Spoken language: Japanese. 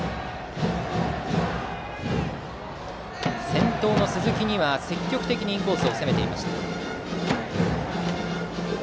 先頭の鈴木には積極的にインコースを攻めました。